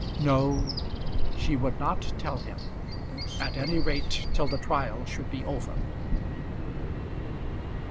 No; she would not tell him: at any rate till the trial should be over.